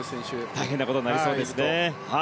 大変なことになりそうですね。